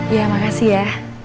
ya makasih ya